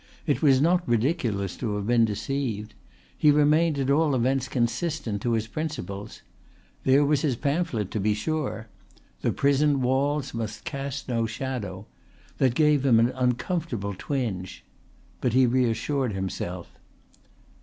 It was not ridiculous to have been deceived. He remained at all events consistent to his principles. There was his pamphlet to be sure, The Prison Walls must Cast no Shadow that gave him an uncomfortable twinge. But he reassured himself.